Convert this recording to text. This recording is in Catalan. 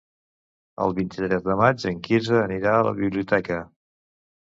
El vint-i-tres de maig en Quirze anirà a la biblioteca.